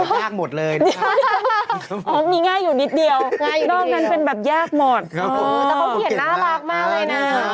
แต่เขาเห็นน่ารักมากเลยนะ